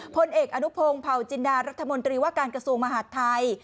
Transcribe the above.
พลเอกอนุโภงผ่าวจินดารัฐมนตรีว่าการกระทรวงมหาธัย